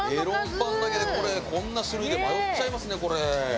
メロンパンだけでこれこんな種類で迷っちゃいますねこれ。